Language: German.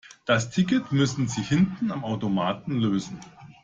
Das Ticket müssen Sie hinten am Automaten lösen.